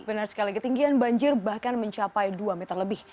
benar sekali ketinggian banjir bahkan mencapai dua meter lebih